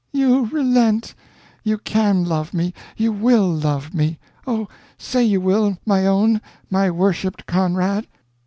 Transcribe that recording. you relent! You can love me you will love me! Oh, say you will, my own, my worshipped Conrad!'"